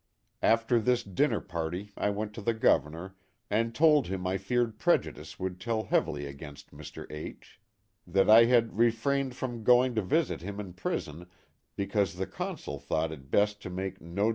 After this dinner party I went to the Gover nor and told him I feared prejudice would tell heavily against Mr. H . That I had re frained from going to visit him in prison because the Consul thought it best to make no display THE DINNER TABLE DIAGRAM.